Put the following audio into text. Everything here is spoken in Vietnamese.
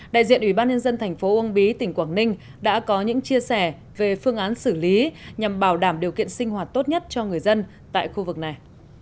đại diện ủy ban nhân dân thành phố uông bí tỉnh quảng ninh đã có những chia sẻ về phương án xử lý nhằm bảo đảm điều kiện sinh hoạt tốt nhất cho người dân tại khu vực này